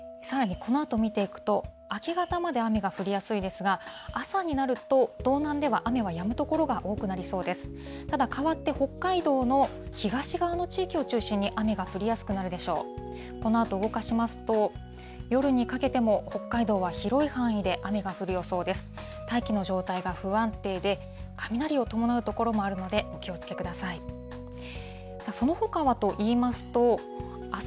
このあと動かしますと、夜にかけても北海道は広い範囲で雨が降る予想です。